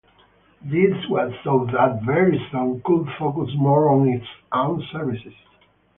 This was so that Verizon could focus more on its own services.